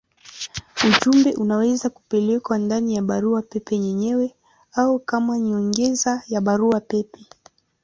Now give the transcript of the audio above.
Ujumbe unaweza kupelekwa ndani ya barua pepe yenyewe au kama nyongeza ya barua pepe.